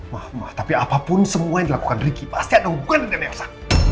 mama tapi apapun semua yang dilakukan riki pasti ada hubungan dengan elsa